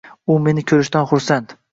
U meni ko`rishdan xursand